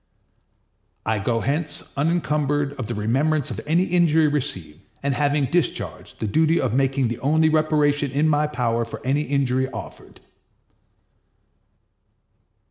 I go hence unencumbered of the remembrance of any injury received, and having discharged the duty of making the only reparation in my power for any injury offered.